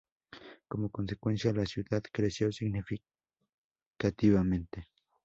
Como consecuencia, la ciudad creció significativamente.